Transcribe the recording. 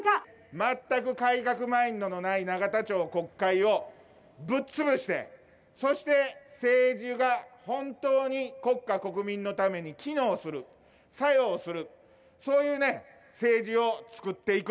全く改革マインドのない永田町、国会をぶっ潰して、そして政治が本当に国家国民のために機能する、作用する、そういうね、政治を作っていく。